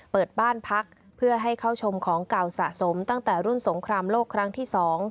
เปิดบ้านพักเพื่อให้เข้าชมของเก่าสะสมตั้งแต่รุ่นสงครามโลกครั้งที่๒